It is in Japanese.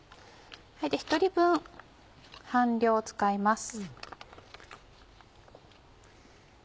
１人分半量を使います。